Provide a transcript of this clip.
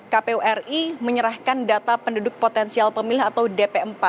kpu ri menyerahkan data penduduk potensial pemilih atau dp empat